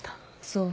そう。